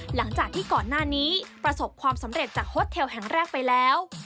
หลังจากที่ก่อนหน้านี้ประสบความสำเร็จจากโฮสเทลแห่งแรกไปแล้ว